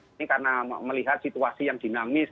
ini karena melihat situasi yang dinamis